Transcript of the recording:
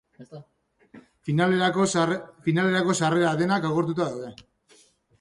Finalerako sarrera denak agortuta daude.